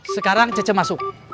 sekarang cece masuk